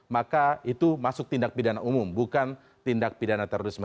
maka itu masuk tindak pidana umum bukan tindak pidana terorisme